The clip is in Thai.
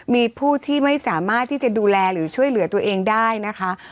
มีผู้ที่ไม่สามารถที่จะดูแลหรือช่วยเหลือตัวเองได้นะคะ